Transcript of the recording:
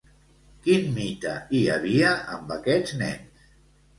Quin mite hi havia amb aquests nens?